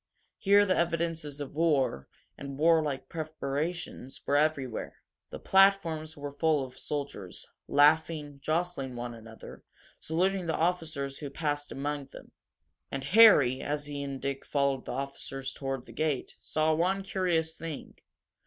Here the evidences of war and the warlike preparations were everywhere. The platforms were full of soldiers, laughing, jostling one another, saluting the officers who passed among them. And Harry, as he and Dick followed the officers toward the gate, saw one curious thing.